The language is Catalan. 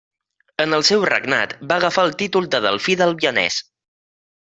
En el seu regnat, va agafar el títol de delfí del Vienès.